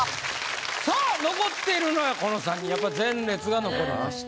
さぁ残っているのはこの３人やっぱ前列が残りました。